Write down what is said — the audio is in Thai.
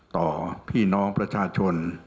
ต่อพี่น้องประชาชน